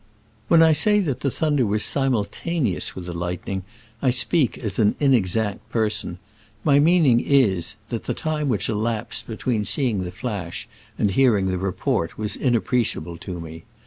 When I say that the thunder was sim ultaneous with the lightning, I speak as an inexact person. My meaning is, that the time which elapsed between seeing the flash and hearing the report was inappreciable to me.